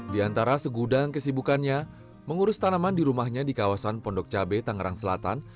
di antara segudang kesibukannya mengurus tanaman di rumahnya di kawasan pondok cabe tangerang selatan